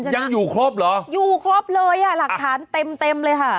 ยังอยู่ครบเหรออยู่ครบเลยอ่ะหลักฐานเต็มเต็มเลยค่ะ